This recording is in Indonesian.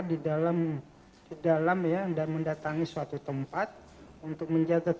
di dalam ya dan mendatangi suatu tempat untuk menjaga